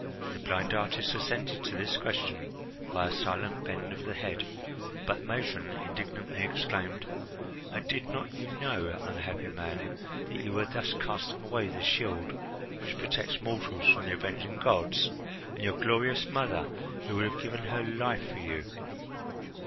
The blind artist assented to this question by a silent bend of the head; but the matron indignantly exclaimed: "And did not you know, unhappy man, that you were thus casting away the shield which protects mortals from the avenging gods? And your glorious mother, who would have given her life for you?